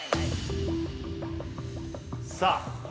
さあ